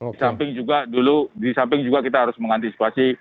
di samping juga dulu di samping juga kita harus mengantisipasi perburukan gejala klinisnya